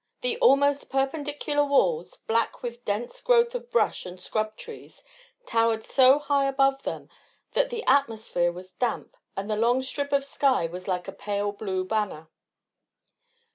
The almost perpendicular walls, black with a dense growth of brush and scrub trees, towered so high above them that the atmosphere was damp and the long strip of sky was like a pale blue banner.